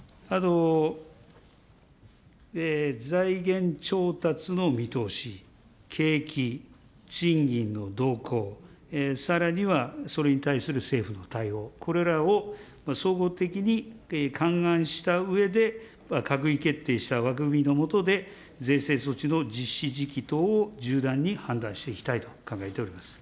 財源調達の見通し、景気、賃金の動向、さらにはそれに対する政府の対応、これらを総合的に勘案したうえで、閣議決定した枠組みの下で、税制措置の実施時期等を柔軟に判断していきたいと考えております。